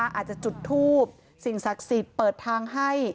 อาจจะจุดทูปสิ่งศักดิ์สิทธิ์เปิดทางให้